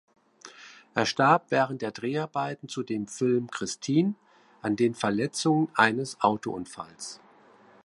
Er starb während der Dreharbeiten zu dem Film "Christine" an den Verletzungen eines Autounfalls.